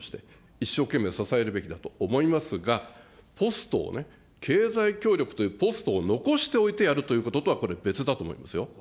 一生懸命支えるべきだと思いますが、ポストをね、経済協力というポストを残しておいてやるということとは別だと思いますよ。